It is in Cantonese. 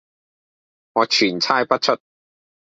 我全猜不出。